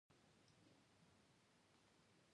په افغانستان کې د زردالو بېلابېلې منابع شته دي.